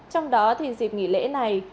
trong đó thì dịp nghỉ lễ này